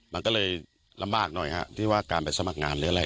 มันก็เลยลำบากหน่อยฮะที่ว่าการไปสมัครงานหรืออะไร